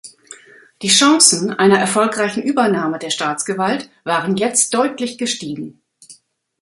Die Chancen einer erfolgreichen Übernahme der Staatsgewalt waren jetzt deutlich gestiegen.